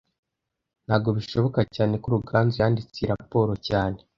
Ntago bishoboka cyane ko Ruganzu yanditse iyi raporo cyane